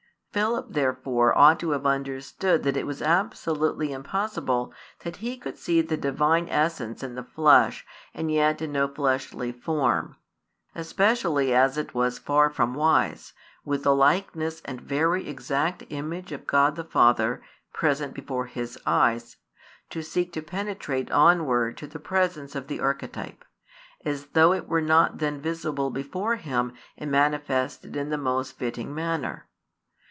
Philip therefore ought to have understood that it was absolutely impossible that he could see the Divine Essence in the flesh and yet in no fleshly form; especially as it was far from wise, with the Likeness and Very Exact Image of God the Father present before his eyes, to seek to penetrate onward to the presence of the Archetype, as though it were not then visible before him and manifested in the most fitting manner.